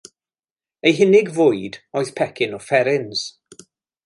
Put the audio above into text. Ei hunig fwyd oedd pecyn o fferins.